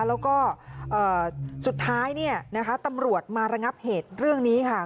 แล้วก็สุดท้ายตำรวจมาระงับเหตุเรื่องนี้ค่ะ